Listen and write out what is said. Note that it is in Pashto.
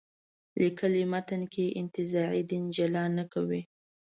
لیکلي متن کې انتزاعي دین جلا نه کوي.